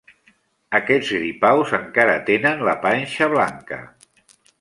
Aquests gripaus encara tenen la panxa blanca.